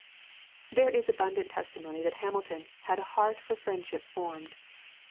There is abundant testimony that Hamilton had "a heart for friendship formed."